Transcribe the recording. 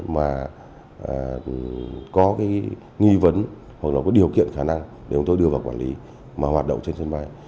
mà có cái nghi vấn hoặc là có điều kiện khả năng để chúng tôi đưa vào quản lý mà hoạt động trên sân bay